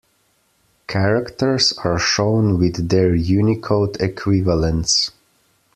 Characters are shown with their Unicode equivalents.